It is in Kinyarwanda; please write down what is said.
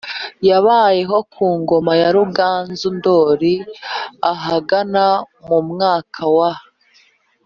Yabayeho ku ngoma ya Ruganzu Ndoli ahagana mu mwaka wa